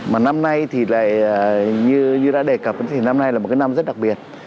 mà năm nay thì lại như đã đề cập thì năm nay là một cái năm rất đặc biệt